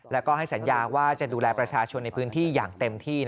แล้วก็ให้สัญญาว่าจะดูแลประชาชนในพื้นที่อย่างเต็มที่